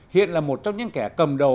hiện là một trong những kẻ cầm đầu